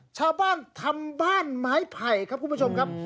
ชาวบ้านทำบ้านไม้ไผ่ครับคุณผู้ชมครับ